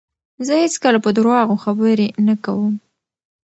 زه هیڅکله په درواغو خبرې نه کوم.